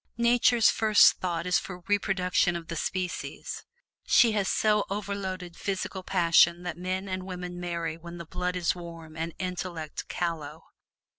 Nature's first thought is for reproduction of the species; she has so overloaded physical passion that men and women marry when the blood is warm and intellect callow.